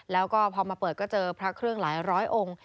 แล้วก็พอมาเปิดก็เจอพระเครื่องหลายร้อยองค์